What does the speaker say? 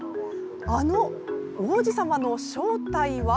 あの王子様の正体は。